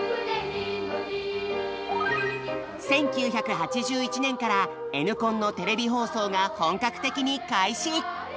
１９８１年からＮコンのテレビ放送が本格的に開始。